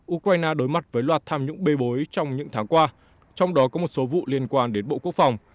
ukraine đối mặt với loạt tham nhũng bê bối trong những tháng qua trong đó có một số vụ liên quan đến bộ quốc phòng